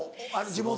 地元。